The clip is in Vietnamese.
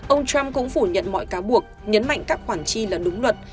ông trump cũng phủ nhận mọi cáo buộc nhấn mạnh các khoản chi là đúng luật